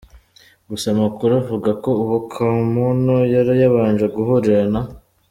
Gusa amakuru avuga ko uwo Kamono yari yabanje guhurira na